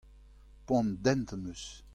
Poan dent am eus.